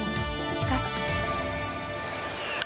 しかし。